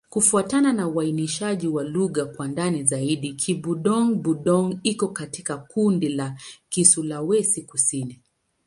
Kufuatana na uainishaji wa lugha kwa ndani zaidi, Kibudong-Budong iko katika kundi la Kisulawesi-Kusini.